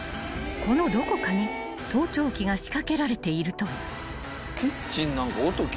［このどこかに盗聴器が仕掛けられているという］